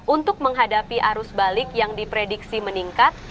untuk menghadapi arus balik yang diprediksi meningkat